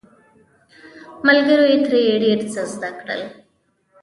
ملګرو یې ترې ډیر څه زده کړل.